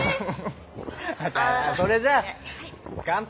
それじゃあ乾杯！